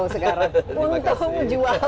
sekarang untung jual